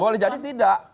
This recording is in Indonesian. boleh jadi tidak